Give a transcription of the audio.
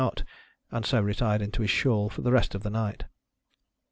— and so retired into his shawl for the rest of the night.